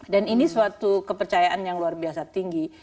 dan ini suatu kepercayaan yang luar biasa tinggi